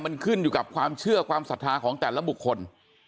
มันขึ้นอยู่กับความเชื่อความศรัทธาของแต่ละบุคคล